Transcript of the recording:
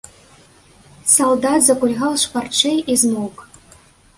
Салдат закульгаў шпарчэй і змоўк.